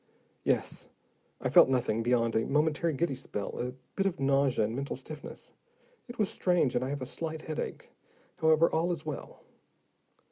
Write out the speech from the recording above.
"Yes. I felt nothing beyond a momentary giddy spell, a bit of nausea and mental stiffness. It was strange, and I have a slight headache. However, all is well."